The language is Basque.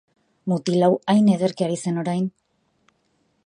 Mutil hau hain ederki ari zen orain!